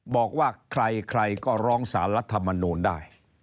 บอกว่าใครก็ร้องสารรัฐมนูลได้